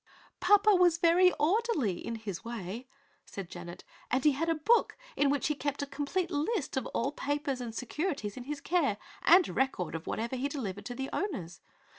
"Papa was very orderly, in his way," said Janet, "and he had a book in which he kept a complete list of all papers and securities in his care and a record of whatever he delivered to the owners.